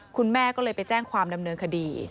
คุณแม่ก็เลยไปแจ้งความดำเนินคดี